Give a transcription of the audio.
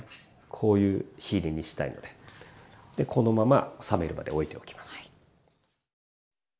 こういう火入れにしたいのでこのまま冷めるまでおいておきます。